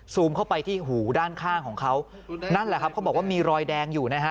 เข้าไปที่หูด้านข้างของเขานั่นแหละครับเขาบอกว่ามีรอยแดงอยู่นะฮะ